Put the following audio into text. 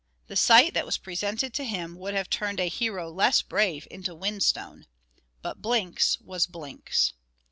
The sight that was presented to him, would have turned a hero less brave into whinstone. But Blinks was Blinks.